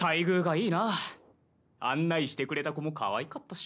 案内してくれた子もかわいかったし。